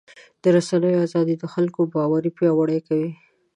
د رسنیو ازادي د خلکو باور پیاوړی کوي.